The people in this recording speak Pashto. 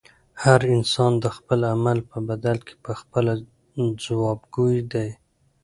هر انسان د خپل عمل په بدل کې پخپله ځوابګوی دی.